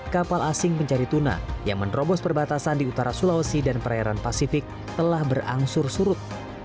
kapal asing pencari tuna yang menerobos perbatasan di utara sulawesi dan perairan pasifik telah berangsur surut